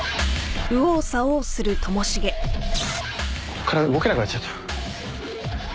こっから動けなくなっちゃった。